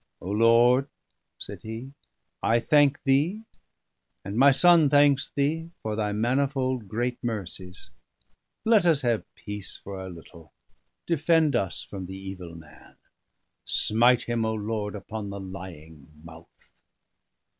"O Lord," said he, "I thank Thee and my son thanks Thee, for Thy manifold great mercies. Let us have peace for a little; defend us from the evil man. Smite him, O Lord, upon the lying mouth!"